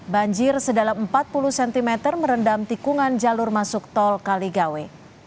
banjir sedalam empat puluh cm merendam tikungan jalur masuk tol kaligawe